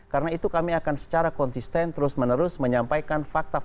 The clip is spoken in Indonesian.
karena itu kami akan secara konsisten terus menerus menyampaikan fakta fakta